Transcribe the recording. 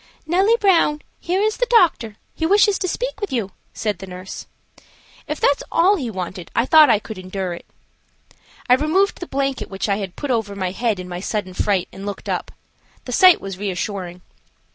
"Nellie Brown, here is the doctor; he wishes to speak with you," said the nurse. If that's all he wanted I thought I could endure it. I removed the blanket which I had put over my head in my sudden fright and looked up. The sight was reassuring.